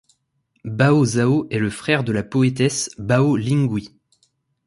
Bao Zhao est le frère de la poétesse Bao Linghui.